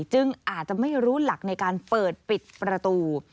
จึงอาจจะไม่รู้หลักในการเปิดปิดประตู